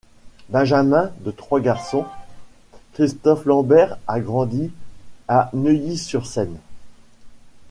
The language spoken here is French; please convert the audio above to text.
Benjamin de trois garçons, Christophe Lambert a grandi à Neuilly-sur-Seine.